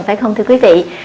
phải không thưa quý vị